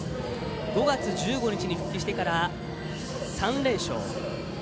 ５月１５日に復帰してから３連勝。